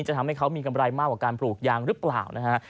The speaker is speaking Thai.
จะทำให้เขามีกำไรมากกว่าการปลูกยางหรือเปล่านะฮะ